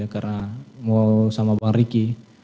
karena mau sama bang riki